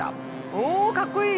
おおかっこいい！